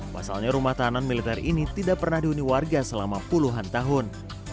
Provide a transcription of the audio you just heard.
pasalnya rumah tahanan militer ini tidak pernah dihuni warga selama puluhan tahun